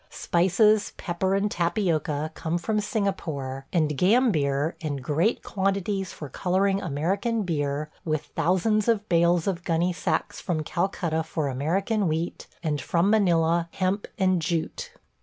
Spices, pepper, and tapioca come from Singapore, and gambier in great quantities for coloring American beer, with thousands of bales of gunnysacks from Calcutta for American wheat, and, from Manila, hemp and jute.